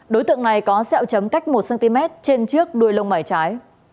đối tượng này có sẹo chấm cách một cm trên trước đuôi lông mày trái